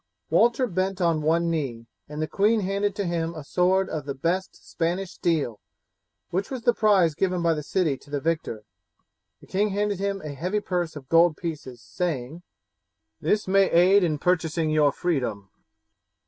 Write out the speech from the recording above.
Walter bent on one knee, and the queen handed to him a sword of the best Spanish steel, which was the prize given by the city to the victor. The king handed him a heavy purse of gold pieces, saying: "This may aid in purchasing your freedom."